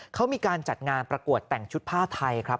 เขามีการจัดงานประกวดแต่งชุดผ้าไทยครับ